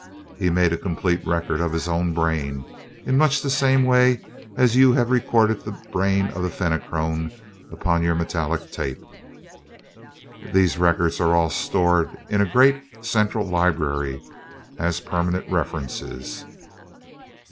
He also made a complete record of his own brain, in much the same way as you have recorded the brain of the Fenachrone upon your metallic tape. These records are all stored in a great central library, as permanent references.